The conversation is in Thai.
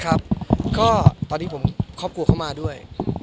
ครับก็ตอนนี้ผมครอบครัวเข้ามาด้วย